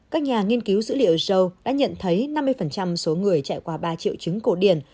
các nhà nghiên cứu dữ liệu show đã nhận thấy năm mươi số người chạy qua ba triệu chứng cổ điển